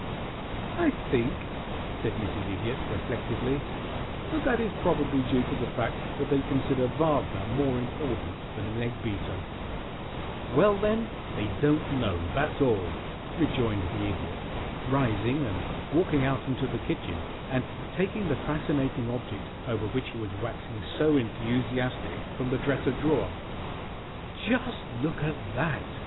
"I think," said Mrs. Idiot, reflectively, "that that is probably due to the fact that they consider Wagner more important than an egg beater." [Illustration: "'AND SOME PEOPLE SAY WAGNER IS MORE IMPORTANT THAN THAT'"] "Well, then, they don't know, that's all," rejoined the Idiot, rising and walking out into the kitchen and taking the fascinating object over which he was waxing so enthusiastic from the dresser drawer. "Just look at that!"